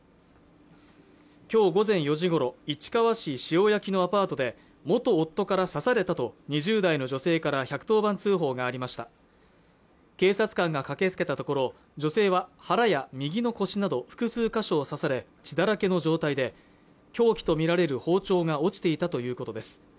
今日午前４時ごろ市川市塩焼のアパートで元夫から刺されたと２０代の女性から１１０番通報がありました警察官が駆けつけたところ女性は腹や右の腰など複数箇所を刺され血だらけの状態で凶器とみられる包丁が落ちていたということです